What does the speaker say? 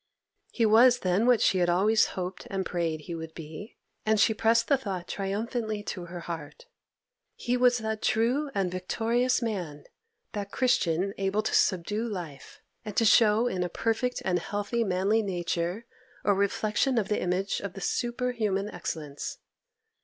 He was then what she had always hoped and prayed he would be, and she pressed the thought triumphantly to her heart. He was that true and victorious man; that Christian able to subdue life, and to show in a perfect and healthy manly nature a reflection of the image of the superhuman excellence.